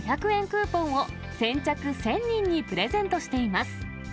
クーポンを先着１０００人にプレゼントしています。